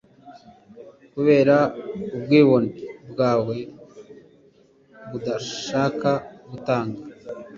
kubera ubwibone bwawe budashaka gutanga